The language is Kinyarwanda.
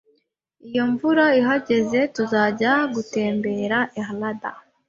Iyo imvura ihagaze, tuzajya gutembera. Eldad